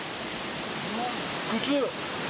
靴！